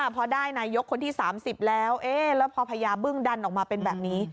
พอได้นายกคนที่๓๐แล้วแล้วพอพญาบึ้งดันออกมาเป็นแบบนี้